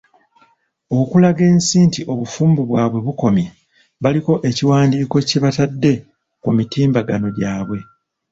Okulaga ensi nti obufumbo bwabwe bukomye, baliko ekiwandiiko kyebatadde ku mitimbagano gyabwe .